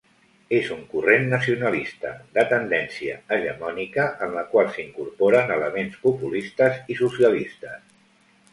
És un corrent nacionalista, de tendència hegemònica, en la qual s'incorporen elements populistes i socialistes.